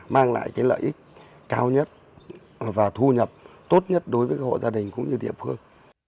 mang lại cái lợi ích cao nhất và thu nhập tốt nhất đối với các hộ gia đình cũng như địa phương